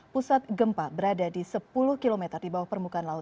pusat gempa berada di sepuluh km di bawah permukaan laut